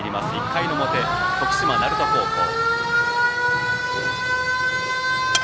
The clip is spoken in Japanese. １回の表、徳島・鳴門高校。